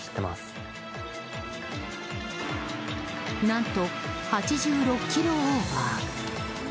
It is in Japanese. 何と８６キロオーバー！